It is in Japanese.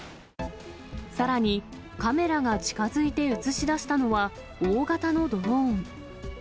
さらに、カメラが近づいて映し出したのは、大型のドローン。